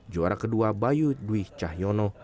juara kedua bayu dwi cahyono